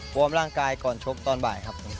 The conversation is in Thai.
ความร่างกายก่อนชบตอนบ่ายครับ